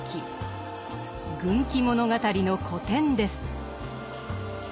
軍記物語の古典です。